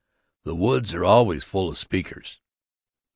The woods are always full of speakers.